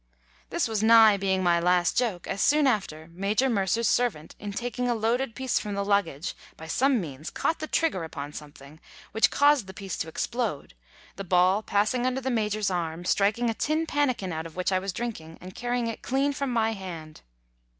This was nigh being my last joke, as soon after, Major Mercer's servant in taking a loaded piece from the luggage, by some means caught the trigger upon something, which caused the piece to explode the ball passing under the Major's arm, striking a tin pannikin out of which I was drinking, and currying it clean from my hand.